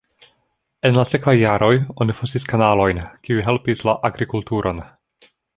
En la sekvaj jaroj oni fosis kanalojn, kiuj helpis la agrikulturon.